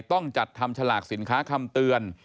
ต้องจัดทำฉลากสินค้าคำเตือน